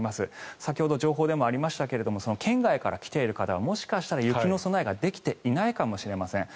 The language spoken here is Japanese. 先ほど情報にもありましたが県外から来ている方はもしかしたら、雪の備えができていないかもしれません。